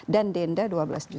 dan denda dua belas juta